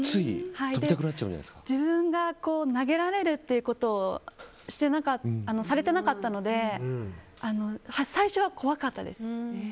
自分が投げられることをされていなかったので最初は怖かったです。